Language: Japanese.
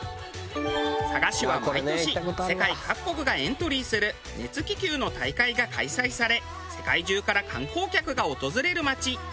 佐賀市は毎年世界各国がエントリーする熱気球の大会が開催され世界中から観光客が訪れる街。